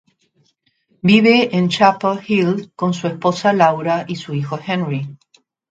Vive en Chapel Hill con su esposa Laura y su hijo Henry.